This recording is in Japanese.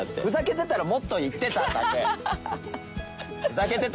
ふざけてたらもっといってた丈。